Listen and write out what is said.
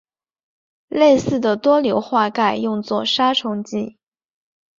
类似的多硫化钙用作杀虫剂。